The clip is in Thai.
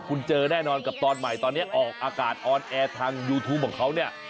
คุณเจอแน่นอนกับตอนใหม่ตอนนี้ออกอากาศออนแอร์ทางยูทูปของเขาเนี่ย